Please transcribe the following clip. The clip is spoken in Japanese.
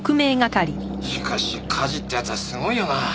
しかし梶って奴はすごいよな。